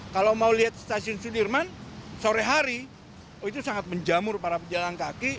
kalau mau lihat stasiun sudirman sore hari itu sangat menjamur para pejalan kaki